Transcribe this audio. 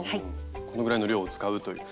このぐらいの量を使うという。